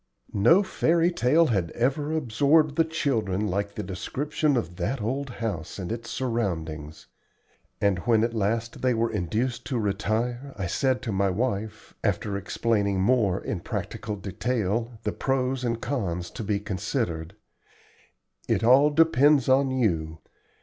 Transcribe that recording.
No fairy tale had ever absorbed the children like the description of that old house and its surroundings; and when at last they were induced to retire I said to my wife, after explaining more in practical detail the pros and cons to be considered: "It all depends on you.